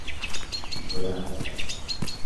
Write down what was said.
Figura Abstracta.